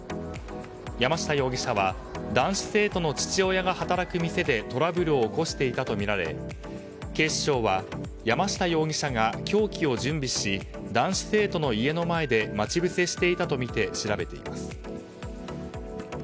山下容疑者は男子生徒の父親が働く店でトラブルを起こしていたとみられ警視庁は山下容疑者が凶器を準備し男子生徒の家の前で待ち伏せしていたとみて調べています。